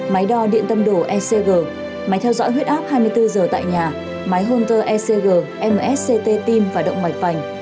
máy đo điện tâm đồ ecg máy theo dõi huyết áp hai mươi bốn giờ tại nhà máy honter ecg msct tim và động mạch vành